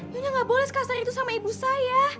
nyonya gak boleh sekali sekali itu sama ibu saya